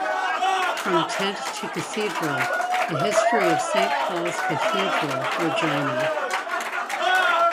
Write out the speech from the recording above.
"From Tent to Cathedral: A History of Saint Paul's Cathedral, Regina".